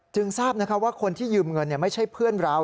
จึงทราบนะคะว่าคนที่ยืมเงินเนี่ยไม่ใช่เพื่อนเรา